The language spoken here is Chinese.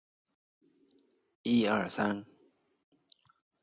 有些专门食用紫芽苜蓿干草的莞菁可能具有危险性。